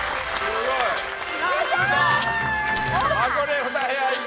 すごーい！